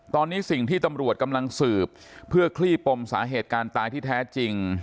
ตอนนี้สิ่งที่ตำรวจกำลังสืบเพื่อคลี่ปมสาเหตุการณ์ตายที่แท้จริง